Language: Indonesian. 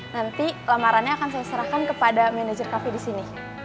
nanti lamarannya akan saya serahkan kepada manajer cafe disini